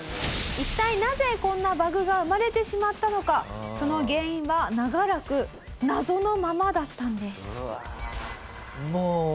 一体なぜこんなバグが生まれてしまったのかその原因は長らく謎のままだったんです。え！